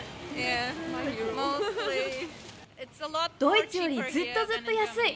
ドイツよりずっとずっと安い。